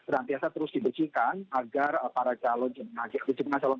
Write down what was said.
dan biasa terus dibecikan agar para calon jemaah asal haji yang beribadah di masjid nabawi ini merasa nyaman